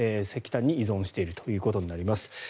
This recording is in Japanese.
石炭に依存しているということになります。